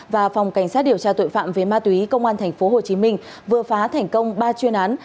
và phòng cảnh sát điều tra tội phạm về ma túy công an tp hcm vừa phá thành công ba chuyên án